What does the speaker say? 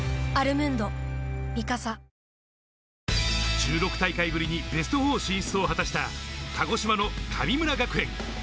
１６大会ぶりにベスト４進出を果たした鹿児島の神村学園。